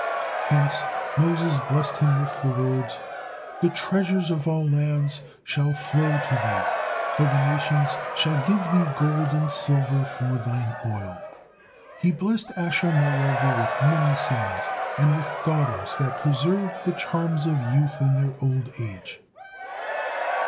Hence Moses blessed him the words: "The treasures of all lands shall flow to thee, for the nations shall give thee gold and silver for thine oil." He blessed Asher moreover with many sons, and with daughters that preserved the charms of youth in their old age.